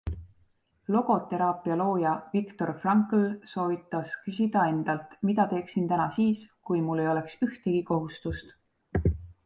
Logoteraapia looja Viktor Frankl soovitas küsida endalt, mida teeksin täna siis, kui mul ei oleks ühtegi kohustust.